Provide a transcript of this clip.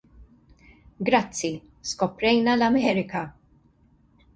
Grazzi, skoprejna l-Amerka!